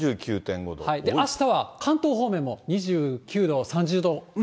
あしたは関東方面も２９度、３０度。